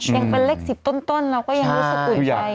ยังเป็นเลขสิบต้นแล้วก็ยังรู้สึกอุ่นใจหน่อย